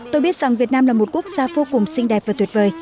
tôi biết rằng việt nam là một quốc gia vô cùng xinh đẹp và tuyệt vời